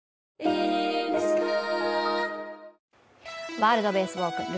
ワールドベースボール